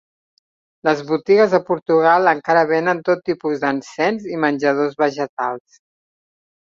Les botigues a Portugal encara venen tot tipus d'encens i menjadors vegetals.